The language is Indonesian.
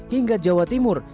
hingga jawa timur